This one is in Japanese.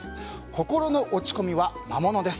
心の落ち込みは魔物です。